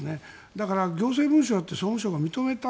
だから行政文書だって総務省が認めた。